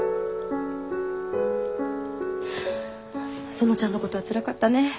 園ちゃんのことはつらかったね。